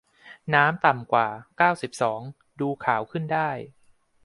น้ำต่ำกว่า เก้าสิบสอง ดูขาวขึ้นได้